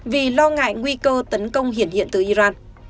vì lo ngại nguy cơ tấn công hiển hiện hiện từ iran